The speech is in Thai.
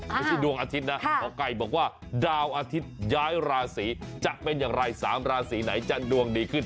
ดวงอาทิตย์นะหมอไก่บอกว่าดาวอาทิตย้ายราศีจะเป็นอย่างไร๓ราศีไหนจะดวงดีขึ้น